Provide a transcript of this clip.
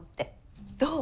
どう？